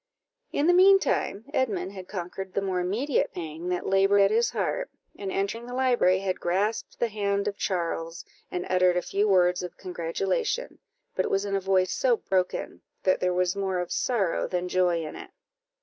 In the mean time, Edmund had conquered the more immediate pang that laboured at his heart, and, entering the library, had grasped the hand of Charles, and uttered a few words of congratulation, but it was in a voice so broken, that there was more of sorrow than joy in it.